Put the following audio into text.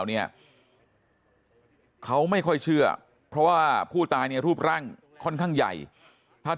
เนี่ยเขาไม่ค่อยเชื่อเพราะว่าผู้ตายเนี่ยรูปร่างค่อนข้างใหญ่ถ้า